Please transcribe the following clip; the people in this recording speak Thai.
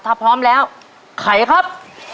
ถ้าพร้อมแล้วไขครับ